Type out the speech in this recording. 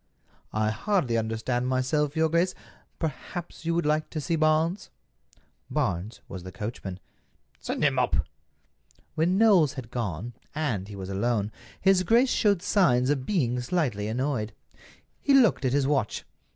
"I hardly understand myself, your grace. Perhaps you would like to see Barnes." Barnes was the coachman. "Send him up." When Knowles had gone, and he was alone, his grace showed signs of being slightly annoyed. He looked at his watch.